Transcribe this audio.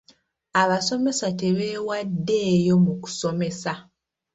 Abasomesa tebeewaddeeyo mu kusomesa.